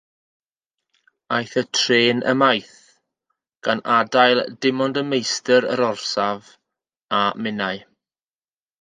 Aeth y trên ymaith, gan adael dim ond meistr yr orsaf a minnau.